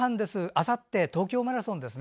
あさっては東京マラソンです。